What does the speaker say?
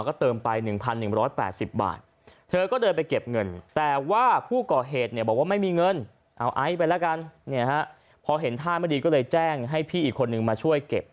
ก็เติมไป๑๑๘๐บาทเธอก็เดินไปเก็บเงินแต่ว่าผู้ก่อเหตุเนี่ยบอกว่าไม่มีเงินเอาไอซ์ไปแล้วกันเนี่ยฮะพอเห็นท่าไม่ดีก็เลยแจ้งให้พี่อีกคนนึงมาช่วยเก็บ